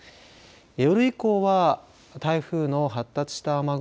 夜以降は台風の発達した雨雲